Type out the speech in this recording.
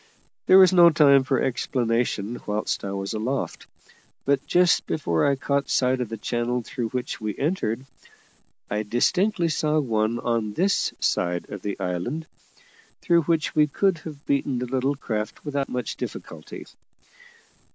There was no time for explanation whilst I was aloft; but, just before I caught sight of the channel through which we entered, I distinctly saw one on this side of the island, through which we could have beaten the little craft without much difficulty.